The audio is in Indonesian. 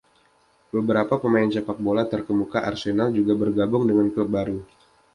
Beberapa pemain sepak bola terkemuka Arsenal juga bergabung dengan klub baru.